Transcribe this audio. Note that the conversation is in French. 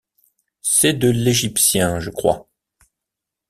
C’est de l’égyptien, je crois.